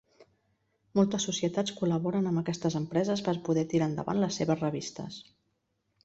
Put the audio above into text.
Moltes societats col·laboren amb aquestes empreses per poder tirar endavant les seves revistes.